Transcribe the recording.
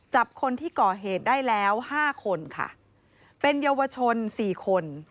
จับคนที่ก่อเหตุได้แล้วห้าคนค่ะเป็นเยาวชนสี่คน